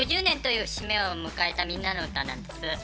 ６０年という節目を迎えた「みんなのうた」なんです。